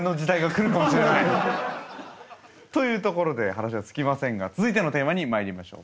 というところで話は尽きませんが続いてのテーマにまいりましょう。